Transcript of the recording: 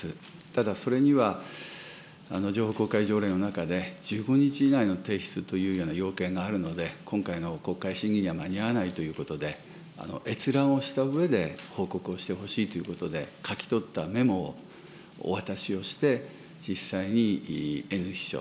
ただ、それには情報公開条例の中で、１５日以内の提出というような要件があるので、今回の国会審議には間に合わないということで、閲覧をしたうえで報告をしてほしいということで、書きとったメモをお渡しをして、実際にＮ秘書、